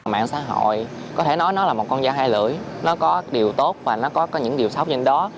mạng xã hội có thể nói là một con da hai lưỡi nó có điều tốt và nó có những điều xấu trên đó